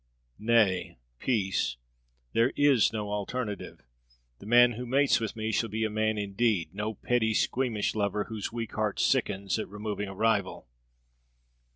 Nay, peace! There is no alternative. The man who mates with me shall be a man indeed; no petty, squeamish lover whose weak heart sickens at removing a rival."